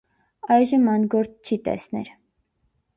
Այժմ ան գործ չի տեսներ։